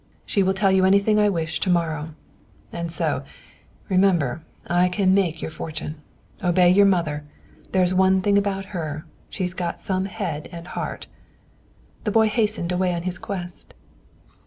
She will tell you anything I wish to morrow; and, so, remember I can make your fortune. Obey your mother; there's one thing about her, she has got some head and heart." The boy hastened away on his quest.